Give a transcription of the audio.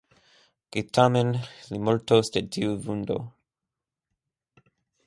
Kaj tamen li mortos de tiu vundo.